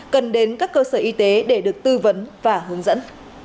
cần đến các cơ sở y tế để được tư vấn và hướng dẫn